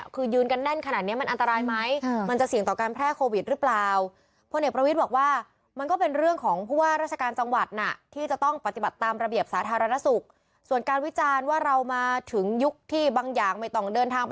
คือยืนกันแน่นขนาดนี้มันอันตรายไหม